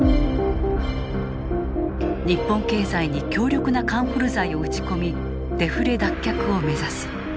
日本経済に強力なカンフル剤を打ち込みデフレ脱却を目指す。